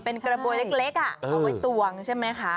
เป็นกระบวยเล็กเอาไว้ตวงใช่ไหมคะ